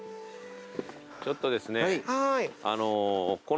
ちょっとですね。